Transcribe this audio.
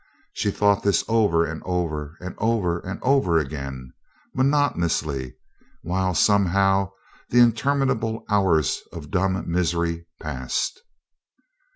She thought this over and over, and over and over again monotonously, while somehow the interminable hours of dumb misery passed.